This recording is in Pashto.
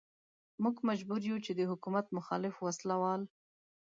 موږ مجبور يو چې د حکومت مخالف وسله وال.